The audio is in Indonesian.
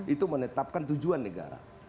itu menetapkan tujuan negara